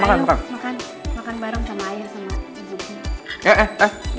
makan bareng sama ayah sama ibu